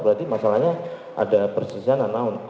berarti masalahnya ada persisanya